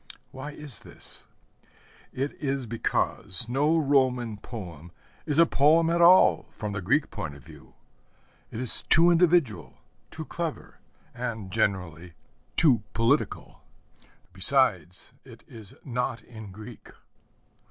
Why is this? It is because no Roman poem is a poem at all from the Greek point of view. It is too individual, too clever, and, generally, too political. Besides, it is not in Greek.